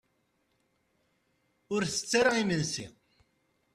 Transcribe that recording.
Ur ttett ara imensi.